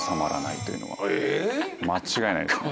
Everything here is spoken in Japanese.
間違いないです。